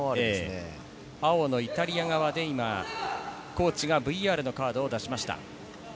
青のイタリア側でコーチがＶＲのカードを出しました。